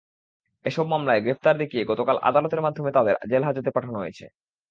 এসব মামলায় গ্রেপ্তার দেখিয়ে গতকাল আদালতের মাধ্যমে তাঁদের জেলহাজতে পাঠানো হয়েছে।